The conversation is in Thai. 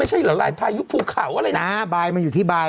ไม่ใช่แหละลายพายุภูเขาอะไรน่ะ